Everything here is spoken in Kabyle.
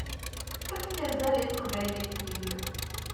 Efk azal i taqbaylit-im.